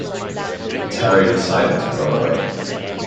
Terry decided to run away.